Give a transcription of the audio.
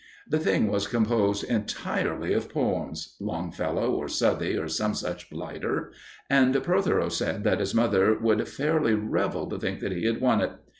The thing was composed entirely of poems Longfellow, or Southey, or some such blighter and Protheroe said that his mother would fairly revel to think that he had won it.